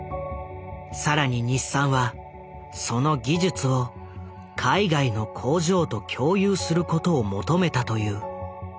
更に日産はその技術を海外の工場と共有することを求めたという。